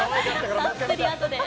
ゆっくりあとで。